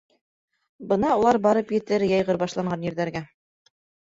Бына улар барып етер йәйғор башланған ерҙәргә.